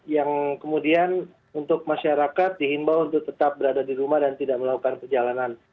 yang kemudian untuk masyarakat dihimbau untuk tetap berada di rumah dan tidak melakukan perjalanan